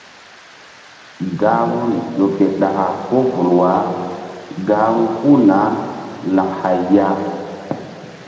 Gahruri ƴo ke ɗaka ko vul wah gahru puh naah lak hay ya.